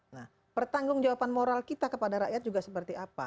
nah pertanggung jawaban moral kita kepada rakyat juga seperti apa